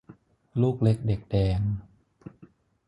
ลูกเล็กเด็กแดง